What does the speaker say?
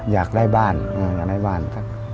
อยากได้บ้านอยากได้บ้าน